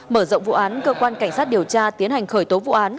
mở rộng vụ án cơ quan cảnh sát điều tra tiến hành khởi tố vụ án